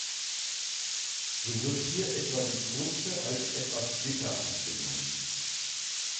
So wird hier etwa die Kruste als etwas dicker angenommen.